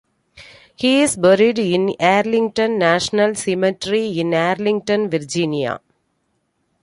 He is buried in Arlington National Cemetery in Arlington, Virginia.